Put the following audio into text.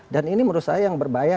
dan ini menurut saya yang berbahaya